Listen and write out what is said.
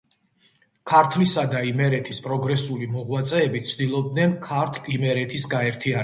ქართლისა და იმერეთის პროგრესული მოღვაწეები ცდილობდნენ ქართლ-იმერეთის გაერთიანებას.